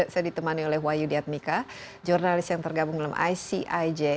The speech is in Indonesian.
saya ditemani oleh wahyu diadmika jurnalis yang tergabung dalam icij